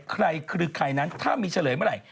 ใครคือใครนั้นถ้ามีเฉลยเมื่อไหร่